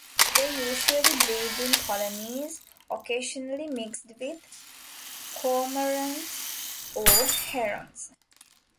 They usually breed in colonies, occasionally mixed with cormorants or herons.